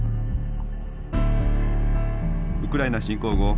ウクライナ侵攻後